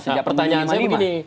nah pertanyaan saya begini